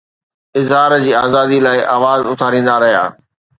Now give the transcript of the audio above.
اظهار جي آزادي لاءِ آواز اٿاريندا رهيا.